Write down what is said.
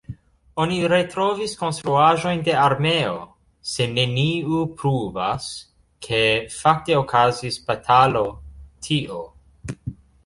Oni retrovis konstruaĵojn de armeo, se neniu pruvas, ke fakte okazis batalo tio.